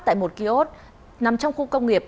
tại một kiosk nằm trong khu công nghiệp